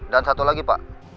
dan satu lagi pak